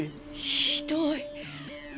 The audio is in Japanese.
ひどい。